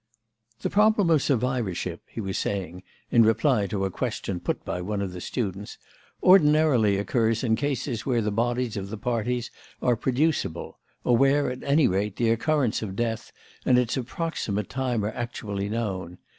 "The problem of survivorship," he was saying, in reply to a question put by one of the students, "ordinarily occurs in cases where the bodies of the parties are producible, or where, at any rate, the occurrence of death and its approximate time are actually known.